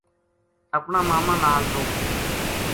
اپنا ماما نال رہوں تھی